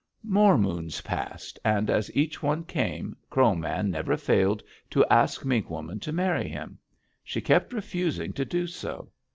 "More moons passed, and as each one came, Crow Man never failed to ask Mink Woman to marry him. She kept refusing to do so.